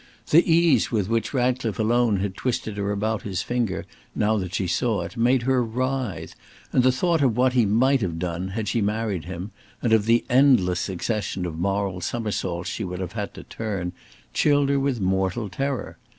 The ease with which Ratcliffe alone had twisted her about his finger, now that she saw it, made her writhe, and the thought of what he might have done, had she married him, and of the endless succession of moral somersaults she would have had to turn, chilled her with mortal terror.